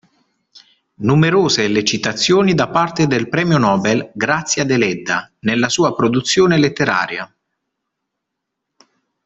Numerose le citazioni da parte del premio Nobel Grazia Deledda nella sua produzione letteraria.